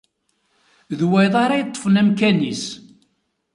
D wayeḍ ara yeṭṭfen amkan-is.